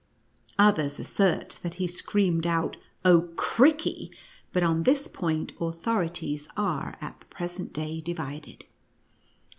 Others assert that he screamed out, " Oh, Crickee 1" but on this point authorities are at the present day divided.